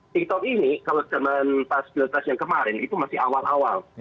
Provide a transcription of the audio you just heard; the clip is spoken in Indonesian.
tiktok ini kalau dengan pasgiltas yang kemarin itu masih awal awal